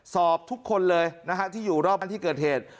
สอบทุกคนเลยนะฮะที่อยู่รอบบ้านที่เกิดเหตุ